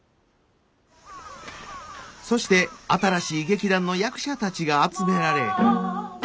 そして新しい劇団の役者たちが集められ。